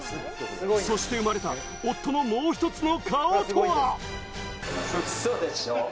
そして生まれた夫のもう一つの顔とは？